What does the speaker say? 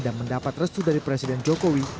dan mendapat restu dari presiden jokowi